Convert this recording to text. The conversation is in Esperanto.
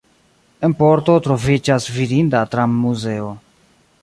En Porto troviĝas vidinda tram-muzeo.